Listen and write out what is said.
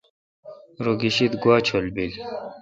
رو گیشد گوا چول بیل۔